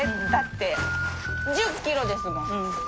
だって１０キロですもん。